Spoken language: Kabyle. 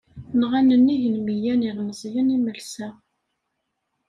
Nɣan nnig n miyya n yilmeẓyen imelsa.